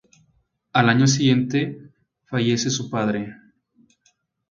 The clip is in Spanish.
Al año siguiente fallece su padre.